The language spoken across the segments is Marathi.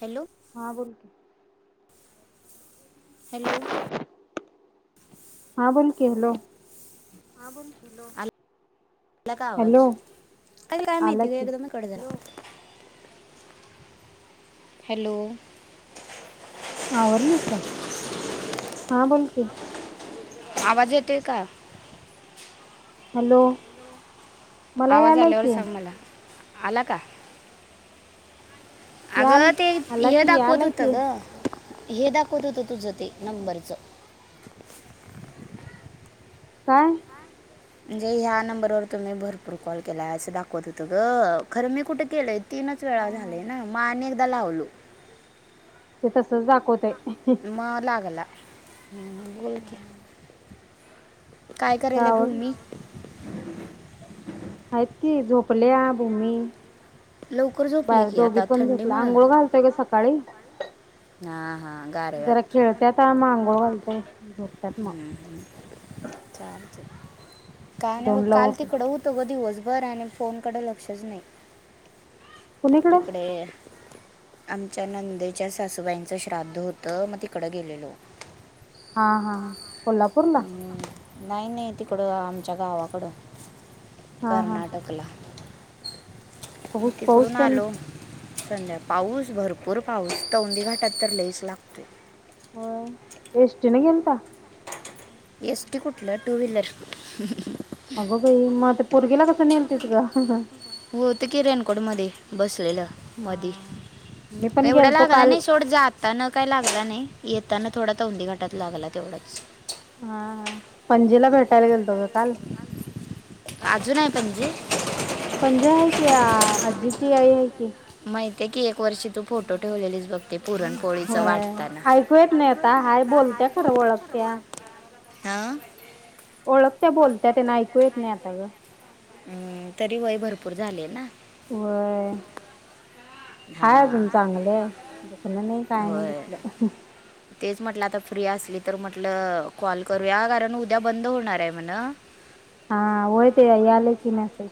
हॅलो हा बोलोलते हॅलो ण केलो ह बण ह मला का हॅलो आवाज अ काय आला माहिती की एकदम म कडे झाला हॅलो आवर्लीस हा बोलकी आवाज येतोय का हॅलो मला आवाज यालाय आल्यावर की सांग मला आला का अगं याल ते आला हे की दाखवत यालाय होतं की ग हे दाखवत होत तुझं ते नंबरचं काय म्हणजे ह्या नंबरवरर तुम्ही भरपूर कॉल केला असं दाखवत होत ग खरं मी कुठे केलंय तीनच वेळा हा. झाले ना म आणि एकदा लावलो ते तसच दाखवते म लागला म बोलके काय का करेलय आवरली भूमी आहेत की झोपल्या भूमी लवकर झोपले बर की दोघी आता पण झपलं थंडीमुळं आंघोळ घालतोय ग सकाळी हा हा जरा खेळतत मग आंघोळ घालतय झोपतत मग चालते काय नाही बग दोनला काल उठून तिकडं होतं ग दिवस बरं आणि फोनकडे लक्षच नाही कुणीकडे तिकडे आमच्या नंदेच्या सासूबाईंचं श्राद्ध होतं मग तिकडं गेलेलो हा हा कोल्हापूरला अं, नाही नाही तिकडं आमच्या गावाकडं हा हा कर्नाटकला पाऊस पाऊस तिकडून तेन आलो संजाका पाऊस भरपूर पाऊस तौंडीी घाटात तर लईच लागतोय हो एस् दिन गंत एसट कुठलं टू व्हीलर अगं बाई मग ते पोरगीला कसं नेलतीस ग? हो ते किरण कोकडमध्ये बसलेलं मध मी पण एवढा गेलतो लागला काल नाही सोड जाता न काही लागला नाही येताना थोडा तर उंंदी गाटात लागला तेवढंच हा पणजीला भेटायला गेलतो ग काल अजून आहे पणजे पणजी आहे की आजीची आई आहे की माहितय की एक वर्षी तू फोटो ठेवलेलीस बघते पुरणपोळीच होय वाटताना ऐकू येत नाही ऐकत आता नाहीता बोलत्या हाय बोलत खरं ओळखत्या ओळख ओळखत बोलत्या त्यांना ऐकू येत नाही आता ग हम्म तरी वय भरपूर झाले ना हो हाय अजून हां चांगले आहे दुकण नाही काय नाही होय कसलं तेच म्हटलं आता फ्री असली तर म्हटलं कॉल करूया कारण उद्या बंद होणार आहे म्हणा हा होय ते याले की मेसेज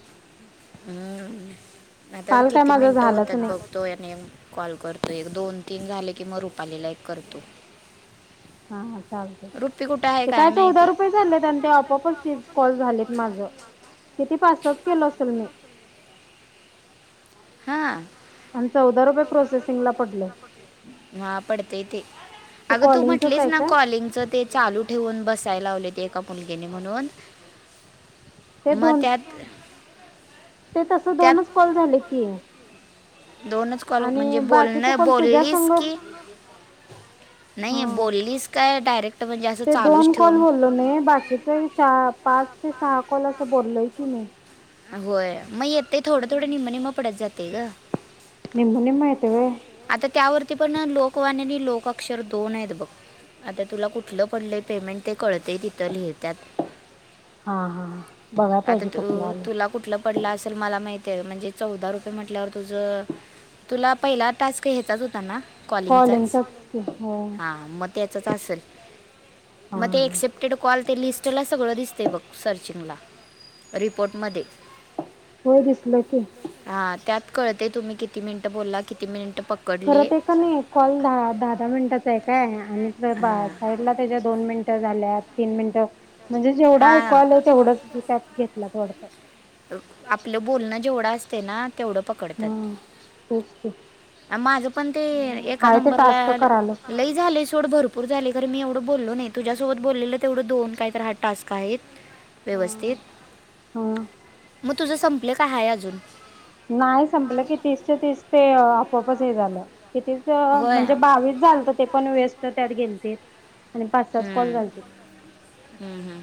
हम्म आता काल काय किती माझं मिनिटं झालंच होतात नाही बघतो याने कॉल करतो एक दोन तीन झाले की मग रुपालीला एक करतो हा चाल ठीक रुपी कुठं आहे ते काय चौदा माहिती रुपये चाललेत आणि ते आपपच ते कॉल झालेत माझं किती पासताच केलो असेल मी हा आ च हा पडतय ते ते अगं तू कॉलिंगचच म्हटलेच आहे ना काय कॉलिंग च ते चालू ठेवून बसायला लाव ते कपून घेणे म्हणून ते मग दोन त्यात ते तस त्यात दोनच कॉल झाले की दोनच कॉल म्हणजे आणि बोलण बाकीच कॉल तुझ्या बोललीस संग की नाही हा बोललीस काय डायरेक्ट म्हणजे असं ते चालूच दोन कॉल ठेवून बोललो न बाकीचे पाच ते सहा कॉल अस ं बोललोय की मी होय मग येत थोडं थोडं निम्मनिम् पडत जाते ग निम निम यतेव आता त्यावरती पण लोकवाणी आणि लोकाक्षर दोन आहेत बघ आता तुला कुठलं पडलं पेमेंट ते कळतेय तिथं लिहतत हा हा बघाय आता पाहिजे कुठलं तू आलंय. तुला कुठलं पड असेल मला मा म्हणजे चौदा रुपये म्हटल्यावर तुझ तुला पहि टास्क घ्याचाच होता ना कॉलिंगचाच कॉलिंगचच की होय हां मग त्याचच असल हा म ते हा एक्सेप्टेड कॉल ते लिस्टला सगळं दिसतय बघ सर्चिंगला रिपोर्टमध्ये होय दिसलं की. हां त्यात कळते तुम्ही किती मिनिट बोलला कि मिनि खरत ते कने कॉल दहा दहा दहा मिनिटाचा हाय काय आणि [unintelligible] हां साईडला त्याज्या दोन मिनिटं झाल्या तीन मिनिटं म्हणजे जेवढं ऐकू हां आलं तेवढंच त्यात घेतल्यात वाढतं. आपलं बोलणं जेवढं असते ना तेवढं पकडत्यात. हम्म [unintelligible] माझं पण ते एका हाय ते नंबरला टास्क करायला लई झालय सोड भरपूर झालय खरं मी एवढ तुला बोललो नाही तुझ्यासोबत बोलेलं तेवढं दोन काही तर हा टास्क आहेत. व्यवस्थित ह म तुझं संपल का हाय आजून. नाही संपलं की तीसच्या तीस ते आपोपच हे झालं. कितीच होय म्हणजे बावीस झालत ते पण वेस्ट त्यात गेलतेत. हम्म हम्म हम्म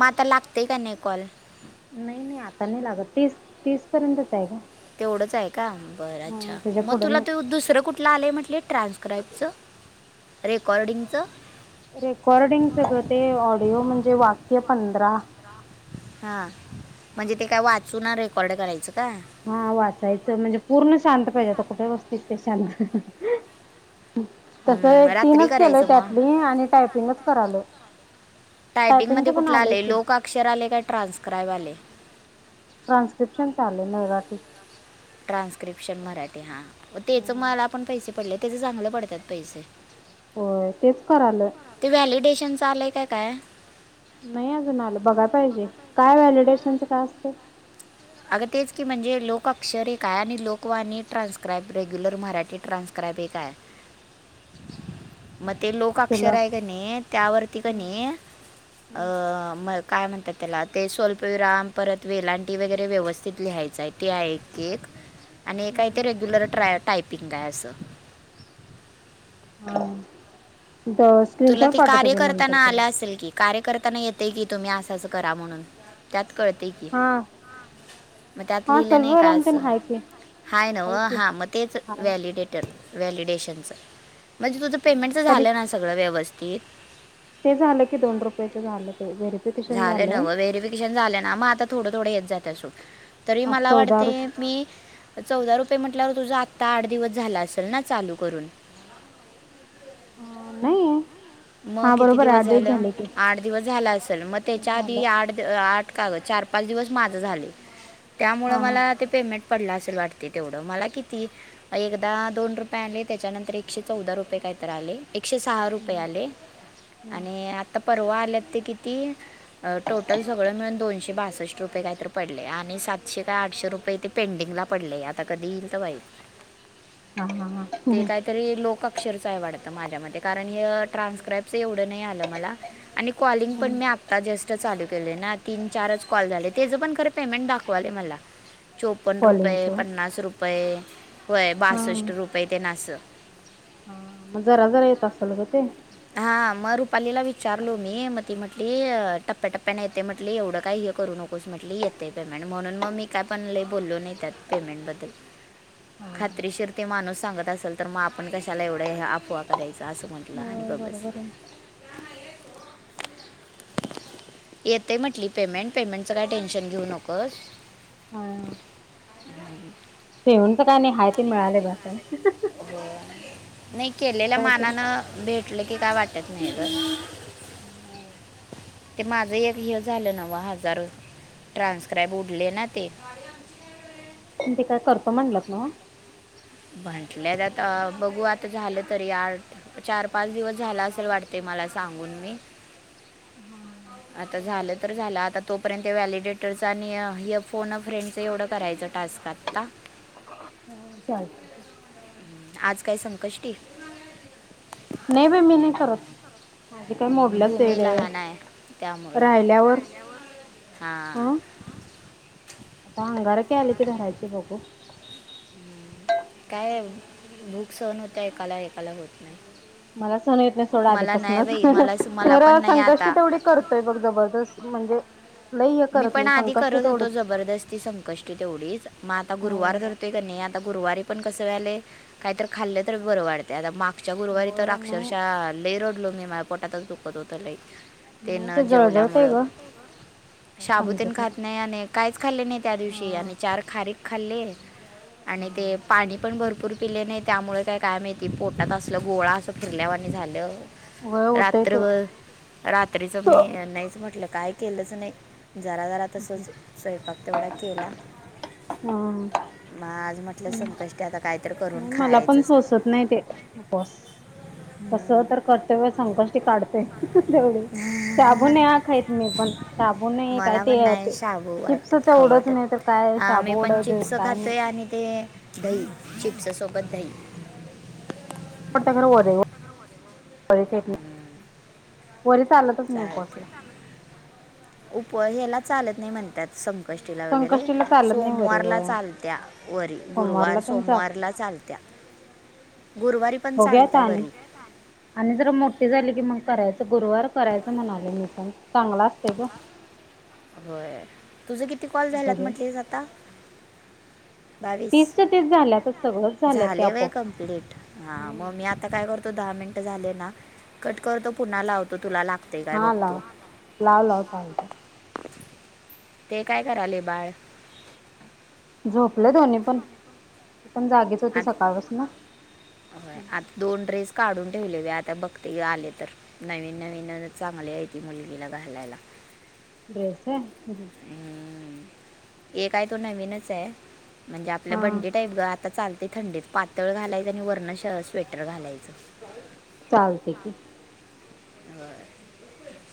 म त लाग ते का नाई कॉल. नाई नाई आता नाई लागत तीस तीस पर्यंतच हाय ग. तेवढंच हाय का बरं अच्छा त्याच्या म पुढं तुला नाही त्यो दुसरं कुठलं आलंय म्हटले. ट्रान्सक्राईबचं, रेकॉर्डिंगचं. रेकॉर्डिंगच ग ते ऑडिओ म्हणजे वाक्य पंधरा. हा म्हणजे ते काय वाचून रेकॉर्ड करायचं काय. हा वाचायचं म्हणजे पूर्ण शांत पाहिजे आता कुठ बस्तीस ते शांत तसं हम्म, एक रात्री तीनच केलय करायचं मग त्यातली आणि टायपिंगच करालोय. टायपिंग मध्ये टायपिंगच पण कुठलं आलंय आलय की लोकआक्षर आलय का ट्रान्स्क्राईब आलय. ट्रान्स्क्रिप्शनच आलय मराठीत. ट्रान्स्क्रिप्शन मराठी हा तेचं हम मला पण पैसे पडल्यात तेज चांगलं पडत्यात पैसे. होय तेच करालोय. चं आलय काय काय. नाई अजून आलं बघाय पाहिजे काय व्हॅलिडेशनच काय असतय? अगं तेच की म्हणजे लोकअक्षर एक हाय आणि Lokvani transcribe regular Marathi transcribe एक हाय. म ते लोकअक्षर तुला हाय कने त्यावरती कने अ मळ काय म्हणत्यात त्याला ते स्वल्प विराम परत वेलांटी वगैरे व्यवस्तीत लिहायच हाय ते हाय एक एलआणि काय तर रेग्युलर ट्राय टायपिंग हाय असं. हा तवा तुला स्क्रीनशॉट ते पाठतो कार्य कि नंतर करताना तुला. आलं असेल की कार्य करताना येतय की तुम्ही असं असं करा म्हणून त्यात कळतय की. हा मग त्यात हा लिहिलं नाई का सलभराम तेन असं. हाय की हाय नव्ह हा म तेच हाय व्हॅलिडेटर. व्हॅलिडेशनचं म्हणजे तुझं पेमेंटचं तरी झालंय ना सग व्यवस्तीत. ते झालं की दोन रुपयाचं झालं. ते व्हेरिफिकेशन झालं झालंय नव्ह व्हेरिफिकेशन झाल ना म आता थोडं थोडं येत जात्यात सोड. तरी आज मला चौदा वाटते रुप मी. चौदा रुपये म्हटल्यावर तुझ आत्ता आठ दिवस झाला असेल ना चालू करून. हा नाई. म किती दिवस झालं आठ दिवस झाल असल म त्याच्या झालं आधी आठ आठ. का व चार पाच दिवस माझ झालय त्यामुळ हा हा मला ते पेमेंट पडला असेल वाटटे तेवडा मला किती एकदा दोन रुपये आनले त्याच्यानंतर एकशे चौदा रुपये इतरांलंय. एकशे सहा रुपये आले आणि आता परवा आल्यात ते किती टोटल सगळं मिळून दोनशे बासष्ट रुपये काहीतरी पडले आणि सातशे काय आठशे रुपये तेे पेंडिंगला पडले आता कधी येईल तर बाई हा हा हा ते काहीतरी लोकाक्षरचं आहे वाटत माझ्या म कारण ट्रान्स्क्राईबच एवढं नाही आलं मला आणि कॉलिंग पण मी आत्ता जास्त चाल तीन चारच कॉल झाले त्याच पण खर पेमेंट दाखवाले म चोपन्न कॉलिंगच रुपये हा पन्नास रुपये वय बासष्ट रुपये ते नाच हा जरा जरा येत असल तर हा मग रुपालीला विचार विचारलो मी मग ती म्हटली टप्प्याटप्प्याने येते म्हटली एवढं काही हे करू नकोस म्हटली येते प म आणि म्हणून मग मी काय पण ल बोललो नाहीेत पेमेंट बद्दल खात्रीशीर ते माणूस सांगत असेल तर मग आपण कशाला एवढं अफोवा करायच असं म्हणत ला हान प होय बेस बरोबर आहे येते म्हटली पेमेंट पेमेंटच काय टेन्शन घेऊ नकस हम् तेेऊनच काय नाही हाय ते मिळाले बसेल हो, नाही केलेल्या मानानं भेटल की काय वाटत नाही तर ते माझ एक हे झालं नव हजार ट्रान्स्क्राईब उडले ना ते प ते काय करतो म्हणलंत ना म्हंटल्या आता बघू आता झालं तरी आठ चार पाच दिवस झाला असेल वाटते मला मला सांगून मी आता झालं तर झालं आता तोपर्यंत व्हॅलिडेटरच आणि फोन फ्रेंडच एवढं करायचं टा राजजकत्ता हा चालते आज काय संकष्टी नाही बा मी नाही करत माझी काय ् मोडल्याच ते भूमी लहान आहे त्यामुं राहिल्यावर हा हं आता अंगार क आले की धरायचे बघू काय भूक्स होन होत एकाला एकाला होत नाही मला य नाही सोडं मला नाही आधीपासूनच बाई मला मला तर पण नाही संकष्ट आता तेवढी करतोय बघ जबरदस्त म्हणजे लई हे मी करत पण नाही आधी संकष्टी करत होतो तेवढंच. जबरदस्ती संकष्ट तेवढीच मग आता हो. गुरुवार धरतोय का नाही आता गुरुवारी पण कस वले काहीत तर खाल्लं तर बरं वाढते आता मा मागच्या गुरुवारी तर होय नाही. अक्षरशः लई रडलो मी माझ्या पोटातच चुकत होतं लई नाही ते जळजळतय ग काय शाबुतीन समजत खात नाही काहीच खाल्ले नाही त्या दिवशी हा आणि चार खारी खाल्ले आणि ते हा. पाणी पण भरपूर पूर पिल्ले नाही त्यामुळे काय काय माहिती पोटात असलं गोळा असं फिरल्यावर आणि झालं होय होतय रात्र ते. व रात्रीच मी नाहीच म्हटलं काय केलंच नाही जरा जरा तसंच स्वयंपाक तेवढा केला हम्म मग आज म्हटलं संकष्टी आता काहीतरी करून नाही मला पण खायचंच सोचत नाही तेपोस कस तर करत व संकष्टी काढते तेवढी शाबूनून आ खायत मी पण हब मला पण नाही शाबू वाटतत खाऊ तेवढंच नाही तर काय वाटत मी शाबू पण वडा चिप्स काय नाही. खातोय आणि ते दही चिप्स सोबत दही हो फेरने हम्म, चालते उप हला चालत नाही म्हणतात समज. कष्टीला वगैरे संकष्टीला चालत नाही वरी सोमवारला होय. चालत्या वरी सोमवारला गुरुवार तेन चालतंय. सोमवारला चालत्या. गुरुवारी पण बघूया चालत वरी. झाले की मग करायचं गुरुवार करायचं म्हणाले मी पण चांगला असते ग. होय तुझ किती कॉल झालात बघूया. म्हटलेस आता बावीस तीसच्या तीस झाल्यातच सगळंच झाल्यात ते झाले व आपोआप. कमप्लीट हा हम्म. मग मी आता काय करत दहा मिनट झाले ना कट करतो पुन्हा लावतो तुला लाग तो हा लाव लाव लाव चालत. ते काय कराले बाळ. झोपले दो्नी पण. पण जागीच होती सकाळपासून आता दोन ड्रेस काढून. ठेवले व आता बघते आले तर नवीन नवीन चांगले आहे त मुलगीला घालायला. ड्रेस होय. हम्म. एक काय तो नवीनच आहे म्हणजे आपलं हा बंडी टाईप ग आता चालत ते थंडीत पातळ घालायचं आणि वर्ण स्वेटर घालायचं चालते की. हो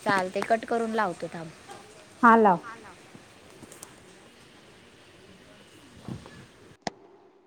चाल ते कट करून लावतो थांब. हा लाव [unintelligible]